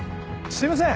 すいません。